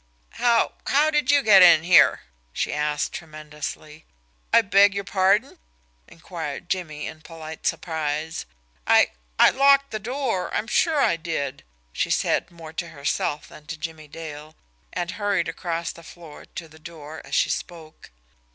"How how did you get in here?" she asked tremendously. "I beg your pardon?" inquired Jimmie Dale, in polite surprise. "I I locked the door I'm sure I did," she said, more to herself than to Jimmie Dale, and hurried across the floor to the door as she spoke.